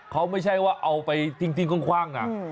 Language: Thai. เขาไม่ใช่ว่าเอาไปทิ้งคว่างนะ